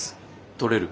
取れる？